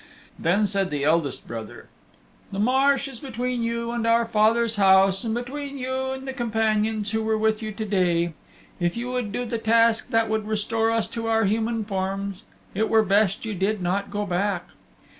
Then said the eldest brother, "The marsh is between you and our father's house, and between you and the companions who were with you to day. If you would do the task that would restore us to our human forms, it were best you did not go back.